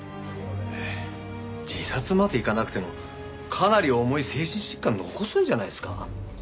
これ自殺までいかなくてもかなり重い精神疾患残すんじゃないですか？